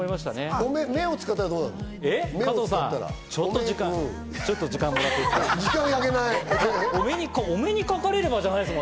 加藤さん、ちょっと時間をもらっていいですか？